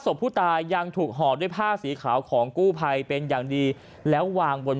ศพผู้ตายยังถูกห่อด้วยผ้าสีขาวของกู้ภัยเป็นอย่างดีแล้ววางบน